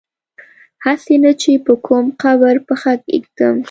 هسي نه چي په کوم قبر پښه کیږدم